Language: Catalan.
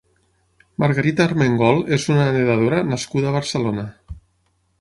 Margarita Armengol és una nedadora nascuda a Barcelona.